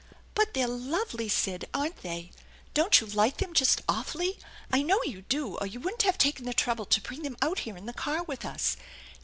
"But they're lovely, Sid, aren't they? Don't you like them just awfully? I know you do, or you wouldn't have taken the trouble to bring them out here in the car with us.